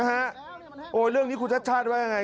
นะฮะโอ้เรื่องนี้คุณชัดว่าอย่างไร